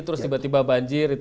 terus tiba tiba banjir itu